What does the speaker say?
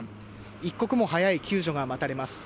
一刻も早い救助が待たれます。